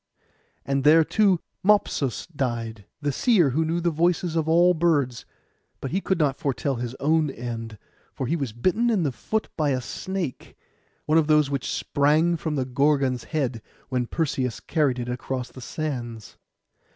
And there too Mopsus died, the seer who knew the voices of all birds; but he could not foretell his own end, for he was bitten in the foot by a snake, one of those which sprang from the Gorgon's head when Perseus carried it across the sands.